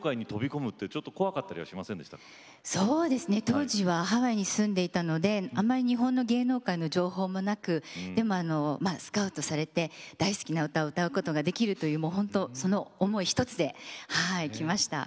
当時はハワイに住んでいたのであまり日本の芸能界の情報もなくでもあのスカウトされて大好きな歌を歌うことができるというもうほんとその思い一つではい来ました。